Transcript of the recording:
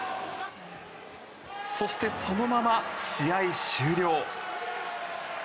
そして、そのまま試合終了。